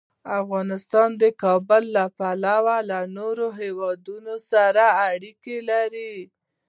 افغانستان د کابل له پلوه له نورو هېوادونو سره اړیکې لري.